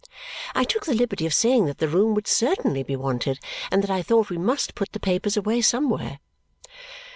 I took the liberty of saying that the room would certainly be wanted and that I thought we must put the papers away somewhere.